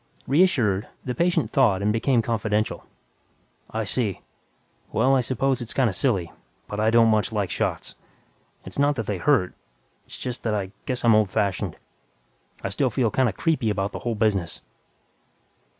Reassured, the patient thawed and became confidential, "I see. Well, I suppose it's kinda silly, but I don't much like shots. It's not that they hurt ... it's just that I guess I'm old fashioned. I still feel kinda 'creepy' about the whole business."